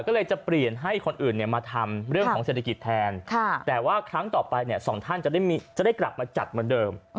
ก็เลยจะเปลี่ยนให้คนอื่นมาทำเรื่องของเศรษฐกิจแทนแต่ว่าครั้งต่อไปเนี่ยสองท่านจะได้กลับมาจัดเหมือนเดิม